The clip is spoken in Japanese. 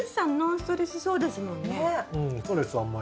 ストレスはあんまり。